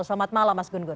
selamat malam mas gun gun